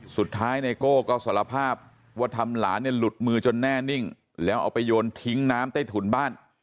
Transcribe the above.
ไนโก้ก็สารภาพว่าทำหลานเนี่ยหลุดมือจนแน่นิ่งแล้วเอาไปโยนทิ้งน้ำใต้ถุนบ้าน